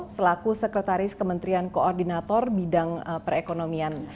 selaku sekretaris kementerian koordinator bidang perekonomian